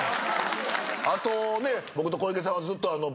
あと僕と小池さんはずっと。